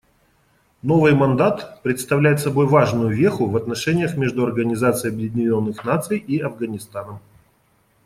Новый мандат представляет собой важную веху в отношениях между Организацией Объединенных Наций и Афганистаном.